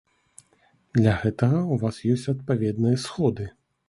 Для гэтага ў вас ёсць адпаведныя сходы.